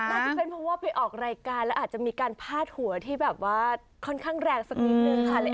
น่าจะเป็นเพราะว่าไปออกรายการอาจจะมีการพาดหัวที่ค่อนข้างแรกสักนิดนึง